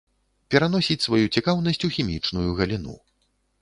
Пераносіць сваю цікаўнасць у хімічную галіну.